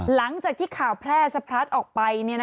หลังจากที่ข่าวแพร่สะพลัดออกไป